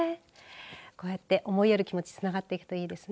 こうやって思いやる気持ちつながっていくといいですね。